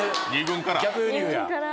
２軍から。